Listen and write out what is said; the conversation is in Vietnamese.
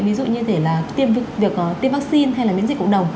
ví dụ như tiêm vắc xin hay là miễn dịch cộng đồng